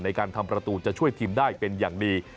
ในการทำประตูจะช่วยทีมได้เป็นอย่างดี